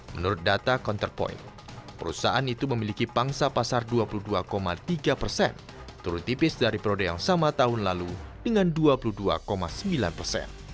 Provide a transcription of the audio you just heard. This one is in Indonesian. menurut data counterpoint perusahaan itu memiliki pangsa pasar dua puluh dua tiga persen turun tipis dari prode yang sama tahun lalu dengan dua puluh dua sembilan persen